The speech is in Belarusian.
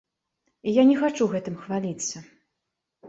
І я не хачу гэтым хваліцца.